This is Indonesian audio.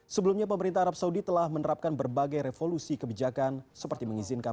sebelumnya pemerintah arab saudi telah menerapkan berbagai revolusi kebijakan seperti mengizinkan